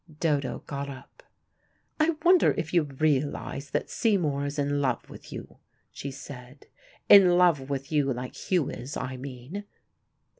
Dodo got up. "I wonder if you realize that Seymour is in love with you," she said. "In love with you like Hugh is, I mean."